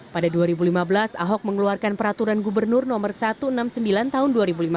pada dua ribu lima belas ahok mengeluarkan peraturan gubernur no satu ratus enam puluh sembilan tahun dua ribu lima belas